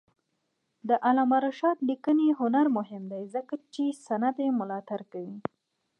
د علامه رشاد لیکنی هنر مهم دی ځکه چې سند ملاتړ کوي.